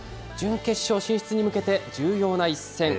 準決勝進出に向けて、重要な一戦。